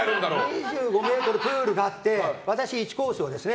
２５ｍプールがあって私、１コースをですね